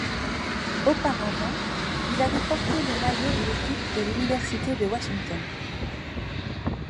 Auparavant, il avait porté le maillot de l'équipe de l'université de Washington.